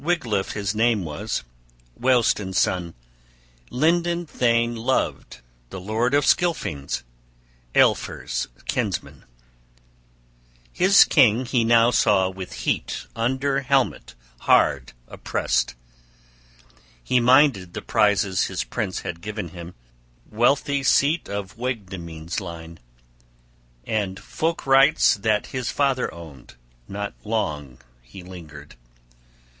XXXIV WIGLAF his name was, Weohstan's son, linden thane loved, the lord of Scylfings, Aelfhere's kinsman. His king he now saw with heat under helmet hard oppressed. He minded the prizes his prince had given him, wealthy seat of the Waegmunding line, and folk rights that his father owned Not long he lingered.